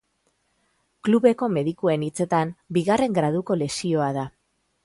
Klubeko medikuen hitzetan, bigarren graduko lesioa da.